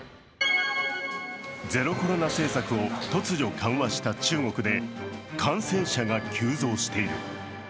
ゼロコロナ政策を突如緩和した中国で感染者が急増している。